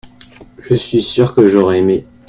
je suis sûr que j'aurais aimé.